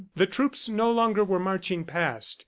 The troops no longer were marching past.